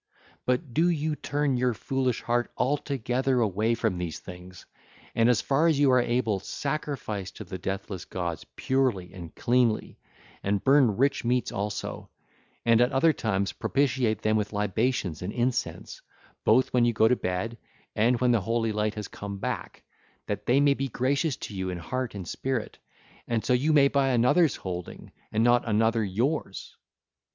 But do you turn your foolish heart altogether away from these things, and, as far as you are able, sacrifice to the deathless gods purely and cleanly, and burn rich meats also, and at other times propitiate them with libations and incense, both when you go to bed and when the holy light has come back, that they may be gracious to you in heart and spirit, and so you may buy another's holding and not another yours.